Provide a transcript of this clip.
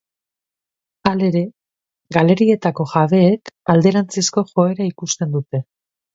Halere, galerietako jabeek, alderantzizko joera ikusten dute.